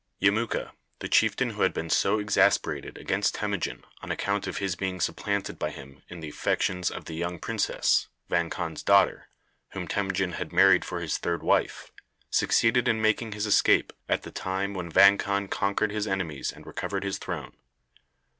Yemuka, the chieftain who had been so exasperated against Temujin on account of his being supplanted by him in the affections of the young princess, Vang Khan's daughter, whom Temujin had married for his third wife, succeeded in making his escape at the time when Vang Khan conquered his enemies and recovered his throne.